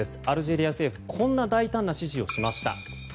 アルジェリア政府こんな大胆な指示をしました。